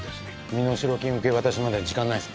身代金受け渡しまで時間ないです。